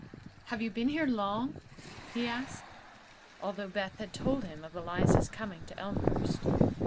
"Have you been here long?" he asked, although Beth had told him of Eliza's coming to Elmhurst.